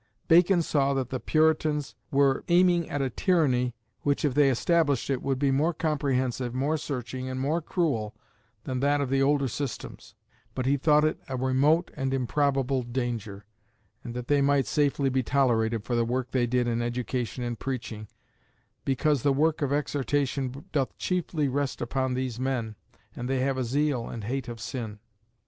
Bacon saw that the Puritans were aiming at a tyranny which, if they established it, would be more comprehensive, more searching, and more cruel than that of the older systems; but he thought it a remote and improbable danger, and that they might safely be tolerated for the work they did in education and preaching, "because the work of exhortation doth chiefly rest upon these men, and they have a zeal and hate of sin."